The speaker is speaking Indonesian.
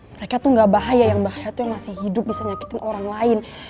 mereka tuh gak bahaya yang bahaya tuh yang masih hidup bisa nyakitin orang lain